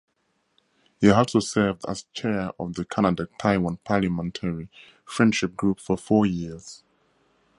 He also served as chair of the Canada-Taiwan Parliamentary Friendship Group for four years.